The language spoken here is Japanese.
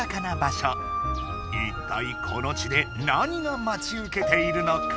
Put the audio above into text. いったいこの地で何がまちうけているのか？